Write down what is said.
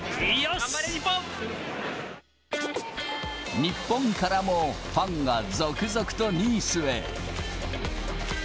頑張れ日日本からも、ファンが続々とニースへ。